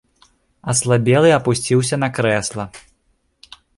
Аслабелы апусціўся на крэсла.